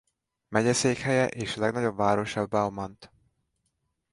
Megyeszékhelye és legnagyobb városa Beaumont.